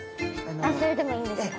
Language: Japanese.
あっそれでもいいんですか？